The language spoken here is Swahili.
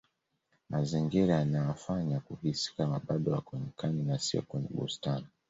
mazingira yanawafanya kuhisi Kama bado wako nyikani na siyo kwenye bustani